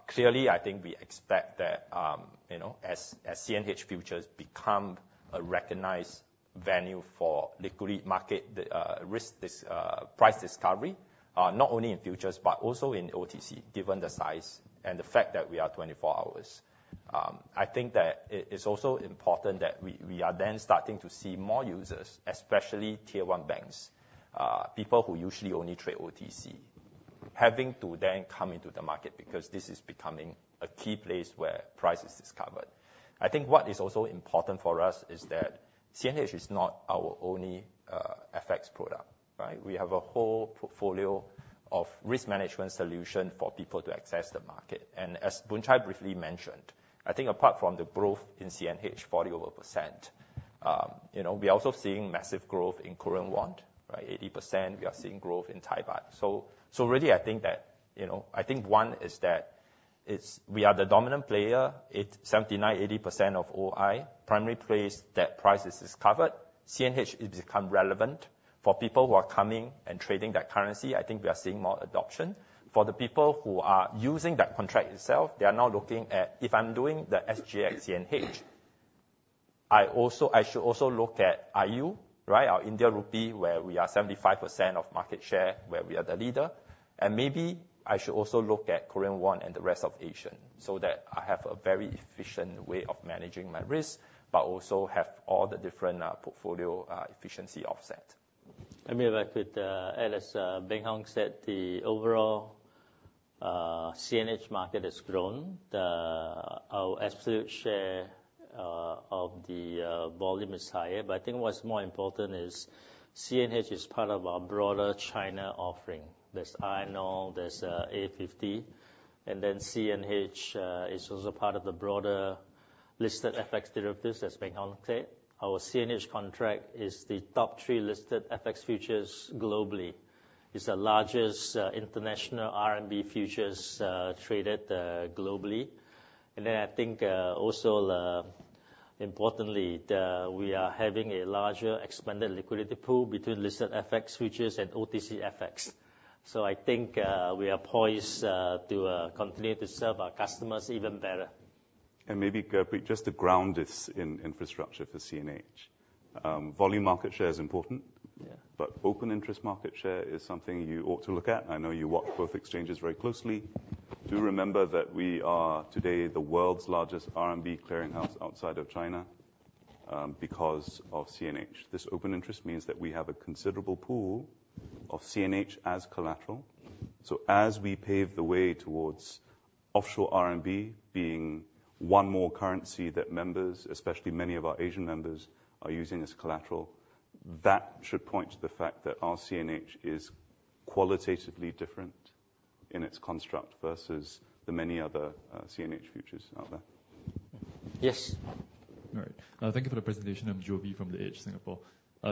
Clearly, I think we expect that, you know, as CNH futures become a recognized venue for liquid market risk, this price discovery not only in futures but also in OTC, given the size and the fact that we are 24 hours. I think that it's also important that we are then starting to see more users, especially Tier 1 banks, people who usually only trade OTC, having to then come into the market because this is becoming a key place where price is discovered. I think what is also important for us is that CNH is not our only FX product, right? We have a whole portfolio of risk management solution for people to access the market. And as Boon Chye briefly mentioned, I think apart from the growth in CNH, over 40%, you know, we're also seeing massive growth in Korean won, right? 80%, we are seeing growth in Thai baht. So really, I think that, you know, I think one is that it's—we are the dominant player. It's 79%-80% of OI, primary place that price is discovered. CNH has become relevant for people who are coming and trading that currency. I think we are seeing more adoption. For the people who are using that contract itself, they are now looking at, if I'm doing the SGX CNH, I also—I should also look at INR, right? Our Indian rupee, where we are 75% of market share, where we are the leader. And maybe I should also look at Korean won and the rest of Asia, so that I have a very efficient way of managing my risk, but also have all the different portfolio efficiency offset. And maybe if I could add, as Beng Hong said, the overall CNH market has grown. Our absolute share of the volume is higher, but I think what's more important is CNH is part of our broader China offering. There's INO, there's A50, and then CNH is also part of the broader listed FX derivatives, as Beng Hong said. Our CNH Contract is the top three listed FX futures globally. It's the largest international RMB Futures traded globally. And then, I think also importantly, we are having a larger expanded liquidity pool between listed FX futures and OTC FX. So I think we are poised to continue to serve our customers even better. Maybe, Gurpreet, just to ground this in infrastructure for CNH, volume market share is important- Yeah. But open interest market share is something you ought to look at. I know you watch both exchanges very closely. Do remember that we are today the world's largest RMB clearinghouse outside of China, because of CNH. This open interest means that we have a considerable pool of CNH as collateral. Mm-hmm. So as we pave the way towards offshore RMB being one more currency that members, especially many of our Asian members, are using as collateral, that should point to the fact that our CNH is qualitatively different in its construct versus the many other CNH futures out there. Yes. All right. Thank you for the presentation. I'm Jovi from The Edge Singapore.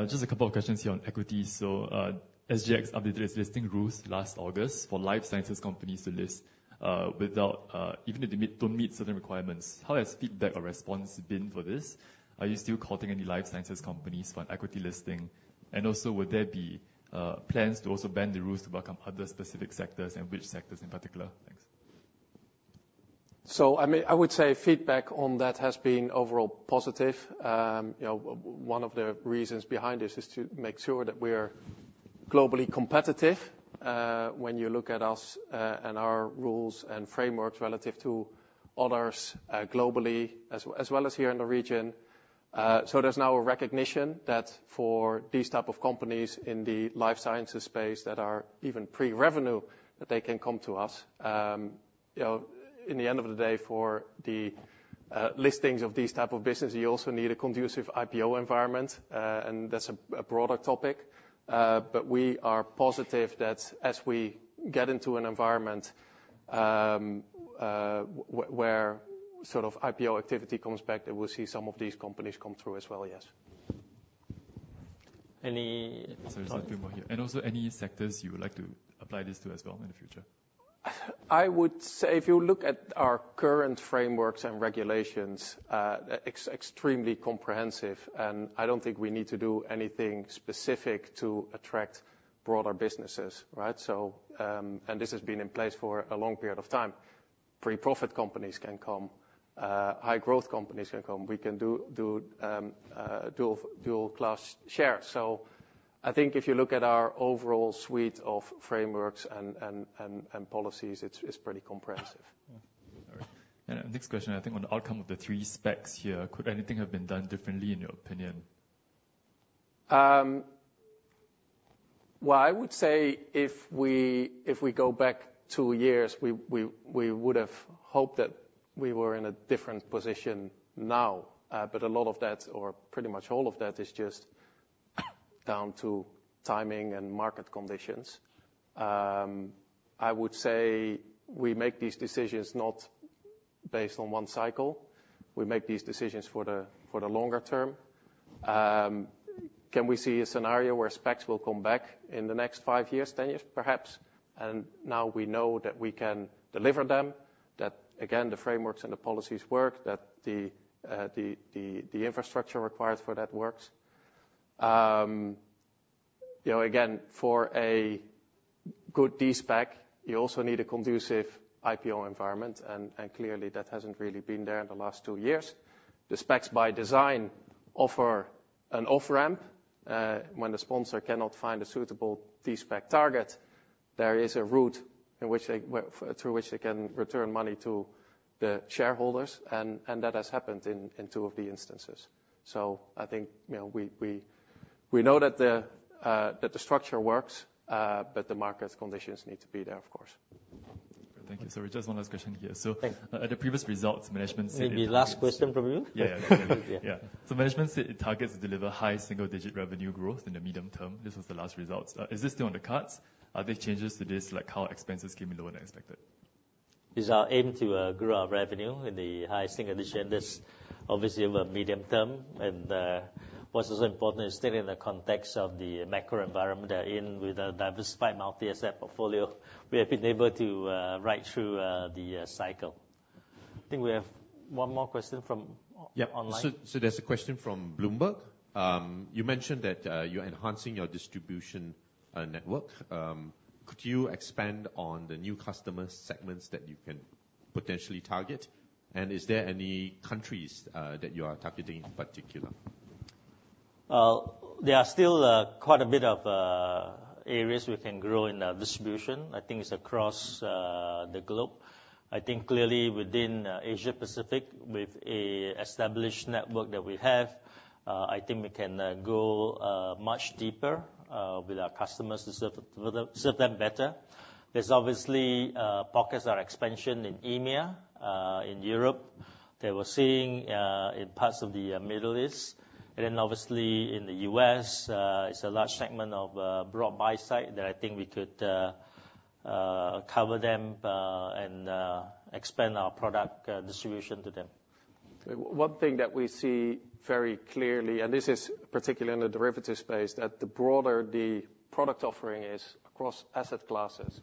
Just a couple of questions here on equity. So, SGX updated its listing rules last August for life sciences companies to list, without, even if they don't meet certain requirements. How has feedback or response been for this? Are you still courting any life sciences companies for an equity listing? And also, would there be plans to also bend the rules to welcome other specific sectors, and which sectors in particular? Thanks. So, I mean, I would say feedback on that has been overall positive. You know, one of the reasons behind this is to make sure that we're globally competitive, when you look at us, and our rules and frameworks relative to others, globally, as well as here in the region. So there's now a recognition that for these type of companies in the life sciences space that are even pre-revenue, that they can come to us. You know, in the end of the day, for the listings of these type of business, you also need a conducive IPO environment, and that's a broader topic. But we are positive that as we get into an environment, where sort of IPO activity comes back, that we'll see some of these companies come through as well, yes. Any- Sorry, there's 2 more here. And also, any sectors you would like to apply this to as well in the future? I would say if you look at our current frameworks and regulations, extremely comprehensive, and I don't think we need to do anything specific to attract broader businesses, right? So, and this has been in place for a long period of time. Pre-profit companies can come, high growth companies can come. We can do dual class shares. So I think if you look at our overall suite of frameworks and policies, it's pretty comprehensive. Mm-hmm. All right. Next question, I think on the outcome of the three SPACs here, could anything have been done differently, in your opinion? Well, I would say if we go back two years, we would have hoped that we were in a different position now. But a lot of that, or pretty much all of that, is just down to timing and market conditions. I would say we make these decisions not based on one cycle. We make these decisions for the longer term. Can we see a scenario where SPACs will come back in the next five years, 10 years? Perhaps. And now we know that we can deliver them, that, again, the frameworks and the policies work, that the infrastructure required for that works. You know, again, for a good de-SPAC, you also need a conducive IPO environment, and clearly, that hasn't really been there in the last two years. The SPACs, by design, offer an off-ramp when the sponsor cannot find a suitable de-SPAC target; there is a route in which they, through which they can return money to the shareholders, and that has happened in two of the instances. So I think, you know, we know that the structure works, but the market conditions need to be there, of course. Thank you. Sorry, just one last question here. Thanks. At the previous results, management said- Maybe last question from you? Yeah, yeah. Yeah. So management said it targets to deliver high single-digit revenue growth in the medium term. This was the last results. Is this still on the cards? Are there changes to this, like how expenses came in lower than expected? It's our aim to grow our revenue in the high single digits. Obviously, we're medium-term, and what's also important is still in the context of the macro environment that in with a diversified multi-asset portfolio, we have been able to ride through the cycle. I think we have one more question from- Yep... online. So there's a question from Bloomberg: You mentioned that you're enhancing your distribution network. Could you expand on the new customer segments that you can potentially target? And is there any countries that you are targeting in particular?... There are still quite a bit of areas we can grow in our distribution. I think it's across the globe. I think clearly within Asia Pacific, with a established network that we have, I think we can go much deeper with our customers to serve, serve them better. There's obviously pockets of our expansion in EMEA in Europe, that we're seeing in parts of the Middle East. And then obviously, in the U.S., it's a large segment of broad buyside that I think we could cover them and expand our product distribution to them. One thing that we see very clearly, and this is particularly in the derivatives space, that the broader the product offering is across asset classes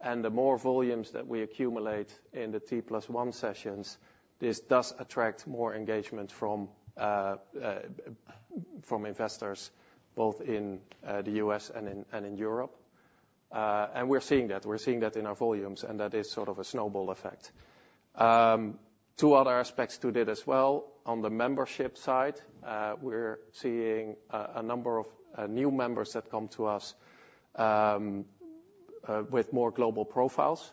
and the more volumes that we accumulate in the T+1 sessions, this does attract more engagement from from investors both in the U.S. and in and in Europe. And we're seeing that. We're seeing that in our volumes, and that is sort of a snowball effect. Two other aspects to that as well, on the membership side, we're seeing a number of new members that come to us with more global profiles,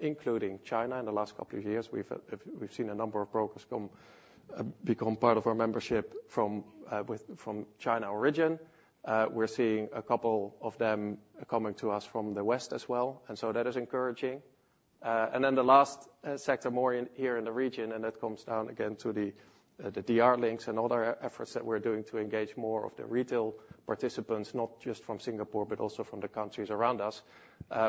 including China. In the last couple of years, we've seen a number of brokers come become part of our membership from from China origin. We're seeing a couple of them coming to us from the West as well, and so that is encouraging. And then the last sector, more in here in the region, and that comes down again to the DR links and other efforts that we're doing to engage more of the retail participants, not just from Singapore, but also from the countries around us,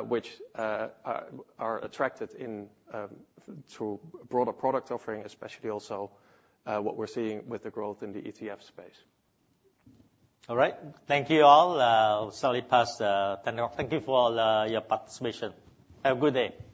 which are attracted in to broader product offering, especially also what we're seeing with the growth in the ETF space. All right. Thank you, all. We're slightly past 10 now. Thank you for all your participation. Have a good day.